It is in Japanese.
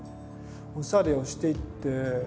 おしゃれをして行って。